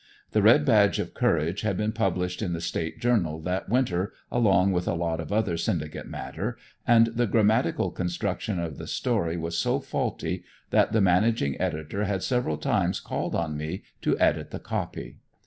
"The Red Badge of Courage" had been published in the State Journal that winter along with a lot of other syndicate matter, and the grammatical construction of the story was so faulty that the managing editor had several times called on me to edit the copy.